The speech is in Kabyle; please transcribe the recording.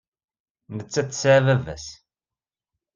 Nettat tesɛa baba-s.